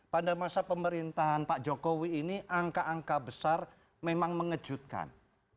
pada masa pemerintahan pak jokowi ini angka angka besar memang mengejutkan